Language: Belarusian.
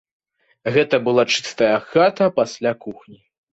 Гэта была чыстая хата пасля кухні.